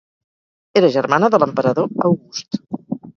Era germana de l'emperador August.